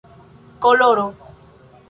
koloro